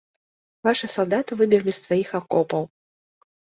Вашы салдаты выбеглі з сваіх акопаў.